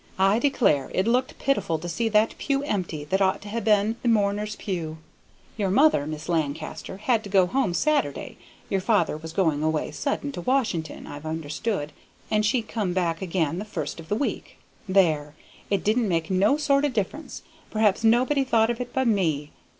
I declare it looked pitiful to see that pew empty that ought to ha' been the mourners' pew. Your mother, Mis' Lancaster, had to go home Saturday, your father was going away sudden to Washington, I've understood, and she come back again the first of the week. There! it didn't make no sort o' difference, p'r'aps nobody thought of it but me.